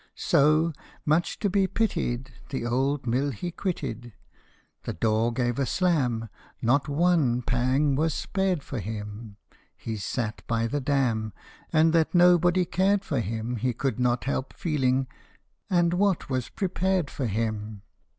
So, much to be pitied, The old mill he quitted. The door gave a slam Not one pang was spared for him He sat by the dam, And that nobody cared for him He could not help feeling and what was prepared for him